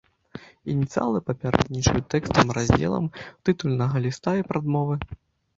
Ініцыялы папярэднічаюць тэкстам раздзелаў, тытульнага ліста і прадмовы.